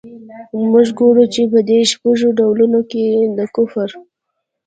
موږ ګورو چي په دې شپږو ډولونو کي د کفر.